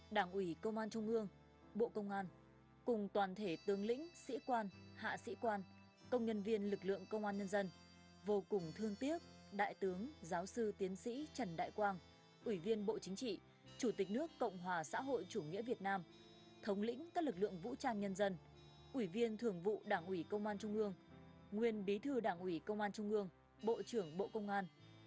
đảng ủy công an trung ương bộ công an cùng toàn thể tướng lĩnh sĩ quan hạ sĩ quan công nhân viên lực lượng công an nhân dân vô cùng thương tiếc đại tướng giáo sư tiến sĩ trần đại quang ủy viên bộ chính trị chủ tịch nước cộng hòa xã hội chủ nghĩa việt nam thống lĩnh các lực lượng vũ trang nhân dân ủy viên thường vụ đảng ủy công an trung ương nguyên bí thư đảng ủy công an trung ương bộ trưởng bộ công an